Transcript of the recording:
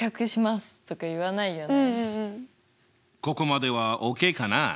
ここまではＯＫかな？